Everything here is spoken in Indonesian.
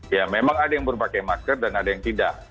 ya memang ada yang berpakai masker dan ada yang tidak